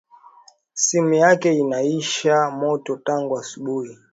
Simu yake inaisha moto tangu asubui